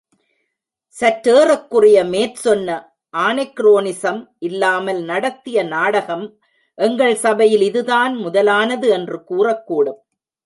சற்றேறக்குறைய மேற் சொன்ன ஆநெக்ரோனிசம் இல்லாமல் நடத்திய நாடகம் எங்கள் சபையில் இதுதான் முதலானது என்று கூறக்கூடும்.